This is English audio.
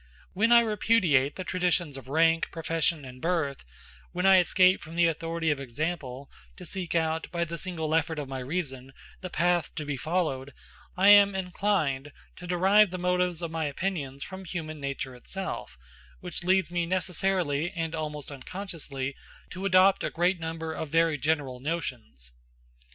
When I repudiate the traditions of rank, profession, and birth; when I escape from the authority of example, to seek out, by the single effort of my reason, the path to be followed, I am inclined to derive the motives of my opinions from human nature itself; which leads me necessarily, and almost unconsciously, to adopt a great number of very general notions.